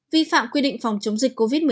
vi phạm quy định phòng chống dịch covid một mươi